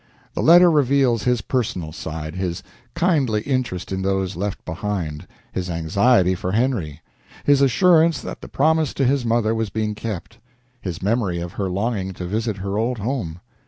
The letter reveals his personal side his kindly interest in those left behind, his anxiety for Henry, his assurance that the promise to his mother was being kept, his memory of her longing to visit her old home.